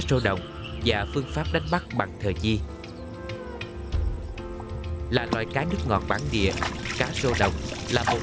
rô đồng và phương pháp đánh bắt bằng thời gian là loại cá nước ngọt bản địa cá rô đồng là một